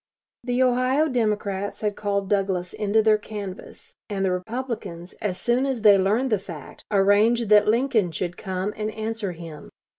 The Ohio Democrats had called Douglas into their canvass, and the Republicans, as soon as they learned the fact, arranged that Lincoln should come and answer him.